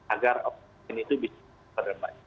agar oksigen itu bisa diperbaiki